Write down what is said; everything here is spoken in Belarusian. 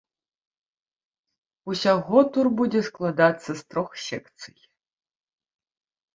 Усяго тур будзе складацца з трох секцый.